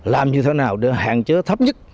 làm như thế nào để hạn chứa thấp nhất